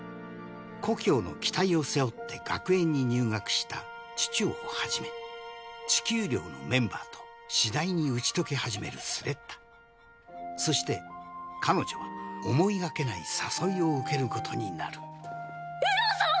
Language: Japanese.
故郷の期待を背負って学園に入学したチュチュをはじめ地球寮のメンバーと次第に打ち解けはじめるスレッタそして彼女は思いがけない誘いを受けることになるエランさん